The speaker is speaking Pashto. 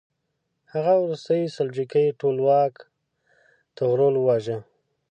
هغه وروستی سلجوقي ټولواک طغرل وواژه.